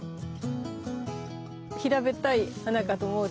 平べったい花かと思うと。